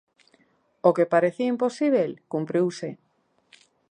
O que parecía imposíbel cumpriuse.